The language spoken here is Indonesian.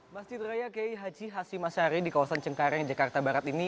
masjid raya k i haji hasim asyari di kawasan cengkareng jakarta barat ini